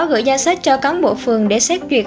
gửi danh sách cho cán bộ phường để xét duyệt